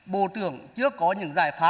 bộ tưởng trước có những giải pháp